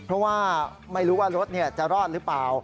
เพราะว่าไม่รู้ว่ารถจะรอดหรือเปล่า